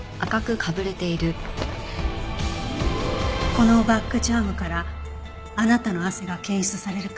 このバッグチャームからあなたの汗が検出されるか調べてみますか？